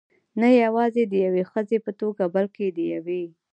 نه یوازې د یوې ښځې په توګه، بلکې د یوې .